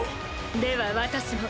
では私も。